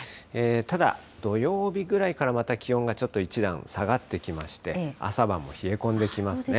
ただ土曜日ぐらいからまた気温がちょっと一段下がってきまして、朝晩も冷え込んできますね。